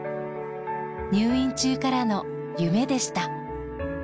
入院中からの夢でした。